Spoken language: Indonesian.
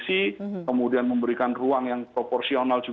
baik dari sisi apa namanya fpi maupun dari sisi